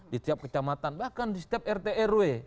di tiap kecamatan bahkan di setiap rt rw